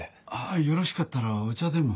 よろしかったらお茶でも。